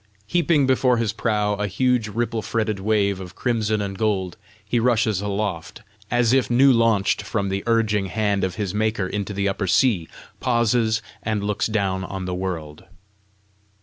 Heaping before his prow a huge ripple fretted wave of crimson and gold, he rushes aloft, as if new launched from the urging hand of his maker into the upper sea pauses, and looks down on the world.